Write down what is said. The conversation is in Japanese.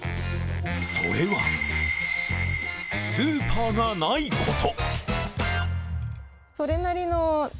それは、スーパーがないこと。